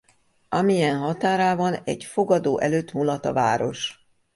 Amiens határában egy fogadó előtt mulat a város.